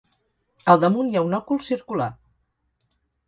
Al damunt hi ha un òcul circular.